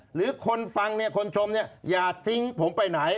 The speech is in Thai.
หรือคนฟังคนชมอย่าทิ้งผมไปไหน